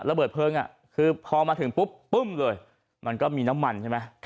เพลิงคือพอมาถึงปุ๊บปึ้มเลยมันก็มีน้ำมันใช่ไหม